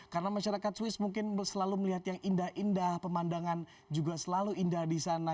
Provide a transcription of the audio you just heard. karena masyarakat swiss mungkin selalu melihat yang indah indah pemandangan juga selalu indah di sana